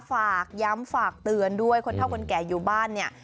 ฝากย้ำฝากเตือนด้วยคนเท่าคนแก่อยู่บ้านเนี่ย